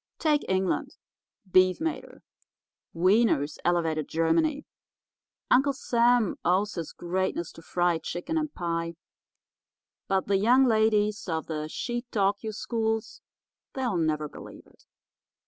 Take England—beef made her; wieners elevated Germany; Uncle Sam owes his greatness to fried chicken and pie, but the young ladies of the Shetalkyou schools, they'll never believe it.